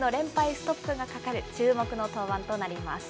ストップがかかる注目の登板となります。